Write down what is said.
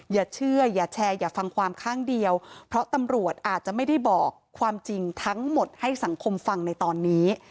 อย่าเชื่ออย่าแชร์อย่าฟังความข้างเดียวเพราะตำรวจอาจจะไม่ได้บอกความจริงทั้งหมดให้สังคมฟังในตอนนี้